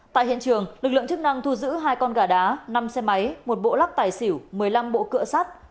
tại hiện trường lực lượng chức năng thu giữ hai con gà đá năm xe máy một bộ lắc tài xỉu một mươi năm bộ cựa sắt